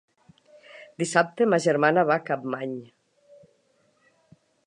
Dissabte ma germana va a Capmany.